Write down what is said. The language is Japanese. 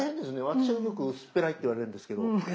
私はよく薄っぺらいって言われるんですけど。